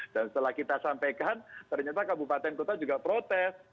setelah kita sampaikan ternyata kabupaten kota juga protes